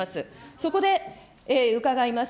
そこで伺います。